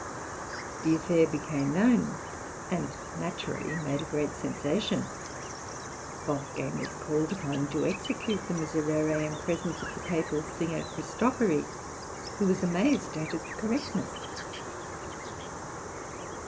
The affair became known, and naturally made a great sensation; Wolfgang was called upon to execute the Miserere in presence of the Papal singer Christofori, who was amazed at its correctness.